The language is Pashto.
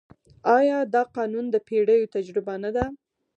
آیا دا قانون د پېړیو تجربه نه ده؟